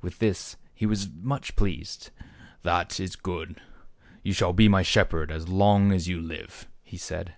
With this he was much pleased. "That is good ; you shall be my shepherd as long as you live," he said.